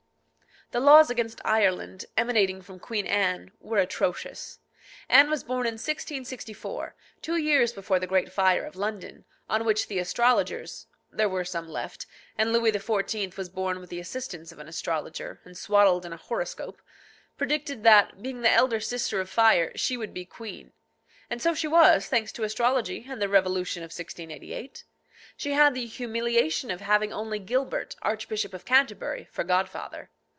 The laws against Ireland, emanating from Queen Anne, were atrocious. Anne was born in 1664, two years before the great fire of London, on which the astrologers (there were some left, and Louis XIV. was born with the assistance of an astrologer, and swaddled in a horoscope) predicted that, being the elder sister of fire, she would be queen. And so she was, thanks to astrology and the revolution of 1688. She had the humiliation of having only Gilbert, Archbishop of Canterbury, for godfather.